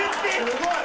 すごい！